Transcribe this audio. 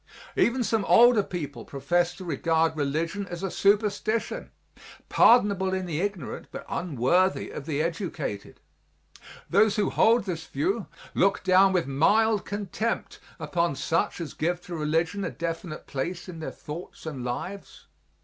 Even some older people profess to regard religion as a superstition, pardonable in the ignorant but unworthy of the educated. Those who hold this view look down with mild contempt upon such as give to religion a definite place in their thoughts and lives.